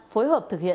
phối hợp thực hiện